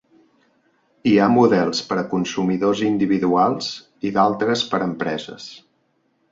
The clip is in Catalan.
Hi ha models per a consumidors individuals i d'altres per a empreses.